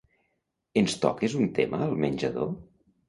Ens toques un tema al menjador?